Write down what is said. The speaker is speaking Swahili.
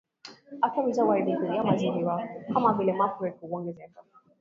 Athari za Uharibifu wa Mazingira Kama Vile mafuriko huongezeka